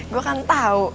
gue kan tau